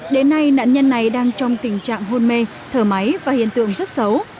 đến nay nạn nhân này đang trong tình trạng hôn mê thở máy và hiện tượng rất xấu